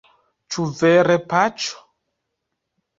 Ĉu vere, Paĉo?